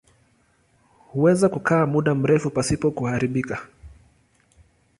Huweza kukaa muda mrefu pasipo kuharibika.